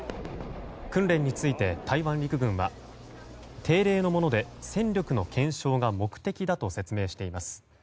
訓練について台湾陸軍は定例のもので戦力の検証が目的だと説明しています。